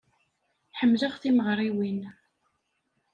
Ḥemmleɣ timeɣriwin.